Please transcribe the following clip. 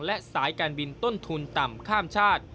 และสายการบินต้นทุนต่ำข้ามชาติ